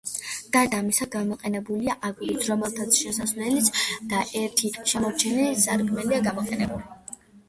გარდა ამისა, გამოყენებულია აგურიც, რომლითაც შესასვლელი და ერთ-ერთი შემორჩენილი სარკმელია გამოყვანილი.